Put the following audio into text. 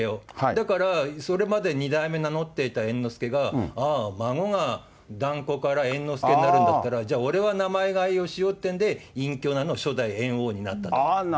だからそれまで二代目名乗っていた猿之助が、あー、孫が團子から猿之助になるんだったら、じゃあ、俺は名前がえをしようってんで、隠居名の初代猿翁になったと。